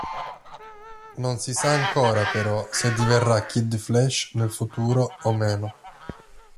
Non si sa ancora, però, se diverrà Kid Flash nel futuro o meno.